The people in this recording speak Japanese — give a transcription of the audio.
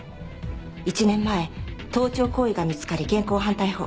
１年前盗聴行為が見つかり現行犯逮捕。